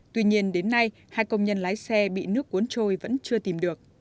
tuy nhiên đến nay hai công nhân lái xe bị nước cuốn trôi vẫn chưa tìm được